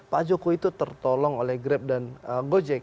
pak jokowi itu tertolong oleh grab dan gojek